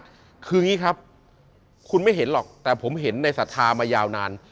คืออย่างนี้ครับคุณไม่เห็นหรอกแต่ผมเห็นในศรัทธามายาวนาน